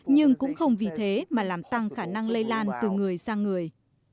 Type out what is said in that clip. nhưng cũng không vì thế mà làm tăng khả năng lây lan từ người sang người